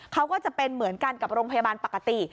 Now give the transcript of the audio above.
เขาก็จะเป็นเหมือนกันกับโรงพยาบาลปกติ